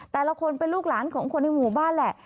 แต่ละคนเป็นลูกหลานของคนในหมู่บ้านแหละ